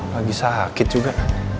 lagi sakit juga